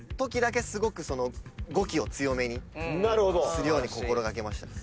するように心掛けましたね。